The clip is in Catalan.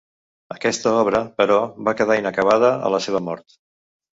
Aquesta obra, però, va quedar inacabada a la seva mort.